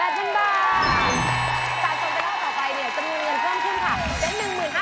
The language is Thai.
และรอบต่อไปเนี่ยจะเงินเงินเพิ่มขึ้นค่ะ